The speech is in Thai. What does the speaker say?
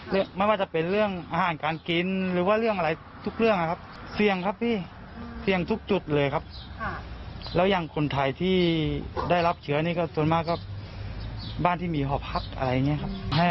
แล้วยังคนไทยที่ได้รับเชื้อนี้ส่วนมากก็บ้านที่มีหอพักอะไรอย่างนี้